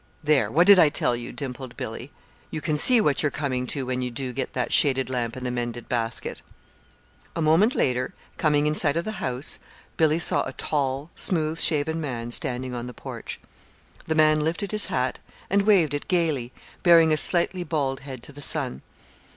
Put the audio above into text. "There, what did I tell you?" dimpled Billy. "You can see what you're coming to when you do get that shaded lamp and the mending basket!" A moment later, coming in sight of the house, Billy saw a tall, smooth shaven man standing on the porch. The man lifted his hat and waved it gayly, baring a slightly bald head to the sun.